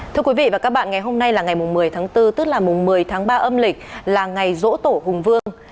thưa quý vị và các bạn ngày hôm nay là ngày một mươi tháng bốn tức là một mươi tháng ba âm lịch là ngày rỗ tổ hùng vương